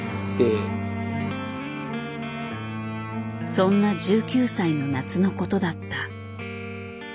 そんな１９歳の夏のことだった。